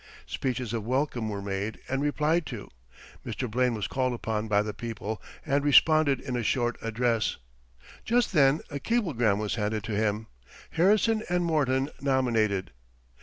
Speeches of welcome were made and replied to. Mr. Blaine was called upon by the people, and responded in a short address. Just then a cablegram was handed to him: "Harrison and Morton nominated."